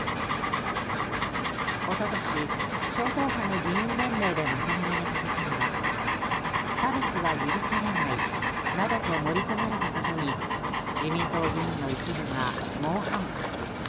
一昨年、超党派の議員連盟でまとめられた時には差別は許されないなどと盛り込まれたことに自民党議員の一部が猛反発。